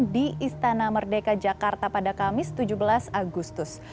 di istana merdeka jakarta pada kamis tujuh belas agustus